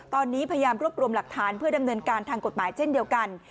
ตอนนี้พยายามรวบรวมหลักฐานเพื่อดำเนินการทางกฎหมายเช่นเดียวกัน